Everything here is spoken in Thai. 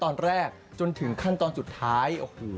มันไม่สุกเนอะไม่สุกค่ะไม่สุก